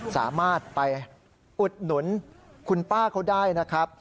สามารถไปอุดหนุนคุณป้าเขาได้นะครับ